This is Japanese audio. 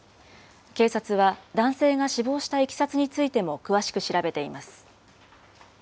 警察は男性が死亡したいきさつについても詳しく調べています。